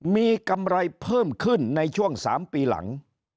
มีกำไรเพิ่มขึ้นในช่วง๓ปีหลัง